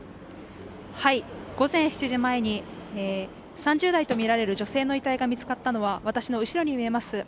午前７時前に３０代とみられる女性の遺体が見つかったのは私の後ろに見えます